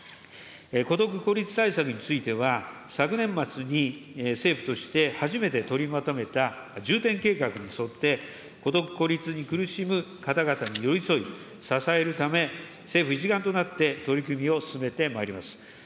孤独・孤立対策については、昨年末に政府として初めて取りまとめた重点計画に沿って、孤独・孤立に苦しむ方々に寄り添い、支えるため、政府一丸となって取り組みを進めてまいります。